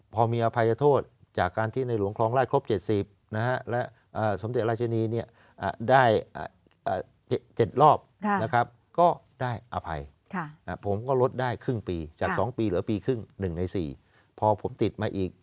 พอมีอภัยโทษจากการที่ในหลวงครองล่ายครบ๗๐นะแล้วสมศตรีราชนีเนี่ย